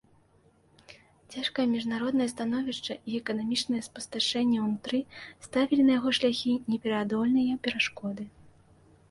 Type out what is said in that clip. Цяжкае міжнароднае становішча і эканамічнае спусташэнне ўнутры ставілі на яго шляхі непераадольныя перашкоды.